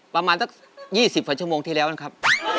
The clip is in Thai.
ประมาณสัก๒๐กว่าชั่วโมงที่แล้วนะครับ